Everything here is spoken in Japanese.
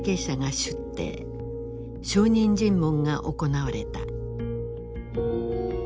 証人尋問が行われた。